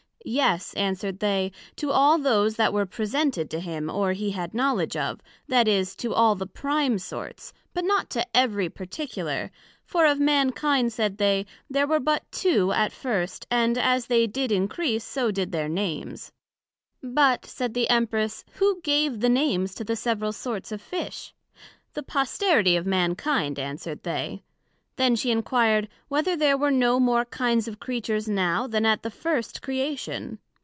Yes, answered they, to all those that were presented to him, or he had knowledg of, that is, to all the prime sorts; but not to every particular: for of Mankind, said they, there were but two at first; and as they did encrease, so did their Names. But, said the Empress, who gave the Names to the several sorts of Fish? The posterity of Mankind, answered they. Then she enquired, Whether there were no more kinds of Creatures now, then at the first Creation?